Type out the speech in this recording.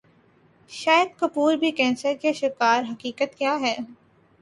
شاہد کپور بھی کینسر کے شکار حقیقت کیا ہے